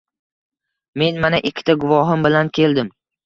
Men mana ikkita guvohim bilan keldim.